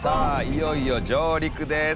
いよいよ上陸です。